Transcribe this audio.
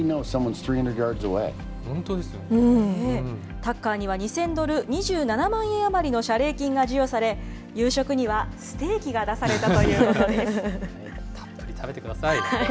タッカーには２０００ドル、２７万円余りの謝礼金が授与され、夕食にはステーキが出されたということです。